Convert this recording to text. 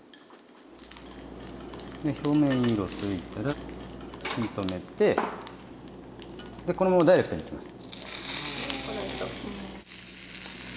表面色ついたら火止めてこのままダイレクトにいきます。